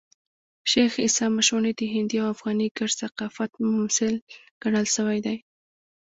شېخ عیسي مشواڼي د هندي او افغاني ګډ ثقافت ممثل ګڼل سوى دئ.